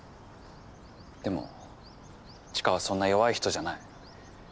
でも知花はそんな弱い人じゃない。